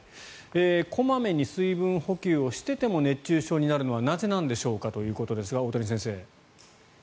小まめに水分補給をしてても熱中症になるのはなぜなんでしょうかということですが、大谷先生。